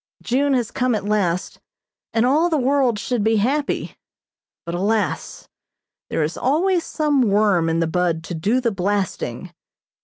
June has come at last, and all the world should be happy, but, alas, there is always some worm in the bud to do the blasting.